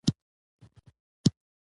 تاسو به یوځای ځو.